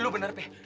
lu bener peh